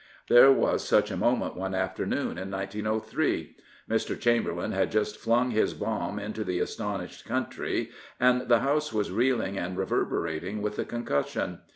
There was such a moment one afternoon in 1903. Mr. Chamberlain had just flung his bomb into the astonished country, and the House was reeling and reverberating with the concussion.